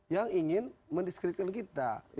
yang ingin mendeskripsikan kita